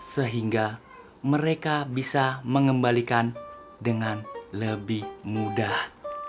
sehingga mereka bisa mengembalikan dengan lebih mudah